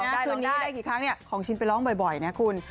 คืนนี้ได้กี่ครั้งของชิ้นไปร้องบ่อยนะคุณ